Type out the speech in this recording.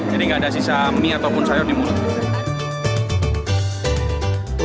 jadi gak ada sisa mie ataupun sayur di mulut